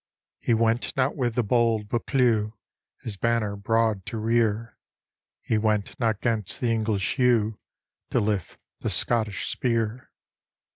He went not with the bold Buccleuch, His banner broad to rear; He went not 'gainst the English yew. To lift the Scottish spear.